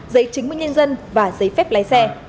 giấy chứng minh nhân dân và giấy phép lái xe